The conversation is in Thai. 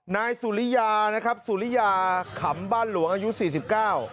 นายสุริยานะครับสุริยาขำบ้านหลวงอายุสี่สิบเก้า